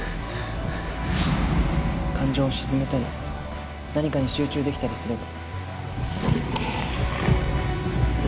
感情を鎮めたり何かに集中できたりすれば